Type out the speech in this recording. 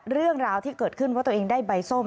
เรื่องราวที่เกิดขึ้นว่าตัวเองได้ใบส้ม